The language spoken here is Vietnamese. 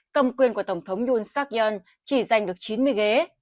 công quyền của tổng thống yoon seok yoon chỉ giành được chín mươi ghế